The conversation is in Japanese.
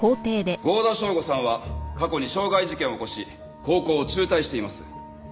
剛田祥吾さんは過去に傷害事件を起こし高校を中退しています。